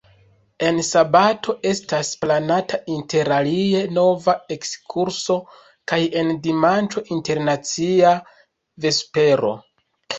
En sabato estas planata interalie nova ekskurso, kaj en dimanĉo internacia vespero.